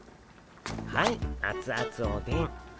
はいあつあつおでん。